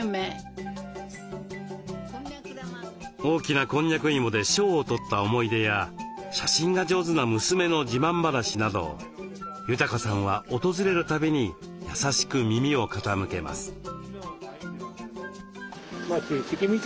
大きなこんにゃく芋で賞をとった思い出や写真が上手な娘の自慢話など裕さんは訪れるたびに優しく耳を傾けます。